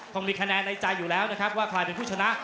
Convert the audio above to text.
ต้องมีคะแนนในใจอยู่แล้วนะครับว่าใครเป็นผู้ชนะ